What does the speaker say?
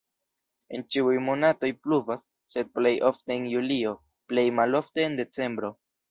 En ĉiuj monatoj pluvas, sed plej ofte en julio, plej malofte en decembro.